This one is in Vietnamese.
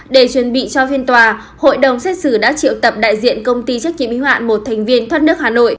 để chuẩn bị cho phiên tòa hội đồng xét xử đã triệu tập đại diện công ty trách nhiệm y hoạn một thành viên thoát nước hà nội